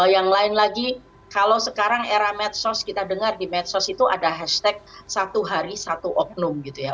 yang lain lagi kalau sekarang era medsos kita dengar di medsos itu ada hashtag satu hari satu oknum gitu ya